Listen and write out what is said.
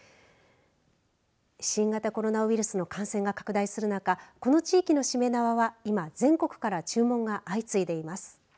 新型コロナウイルスの感染が拡大する中この地域のしめ縄は今全国から注文が相次いでいます。